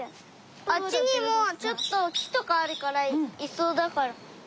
あっちにもちょっときとかあるからいそうだから。